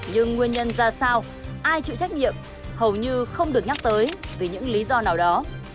nhưng nguyên nhân ra sao ai chịu trách nhiệm hầu như không được nhắc tới vì những lý do nào đó